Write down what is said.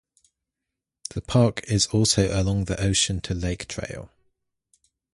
The park is also along the Ocean to Lake Trail.